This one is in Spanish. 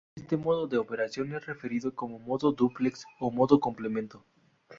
Este modo de operación es referido como modo dúplex o modo complemento.